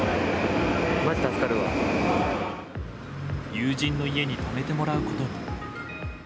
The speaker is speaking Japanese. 友人の家に泊めてもらうことに。